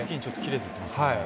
切れていってますね。